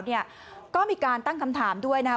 ต้องตั้งคำถามด้วย